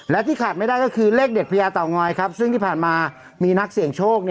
และที่ขาดไม่ได้ก็คือเลขเด็ดพญาเตางอยซึ่งที่ผ่านมามีนักเสี่ยงโชค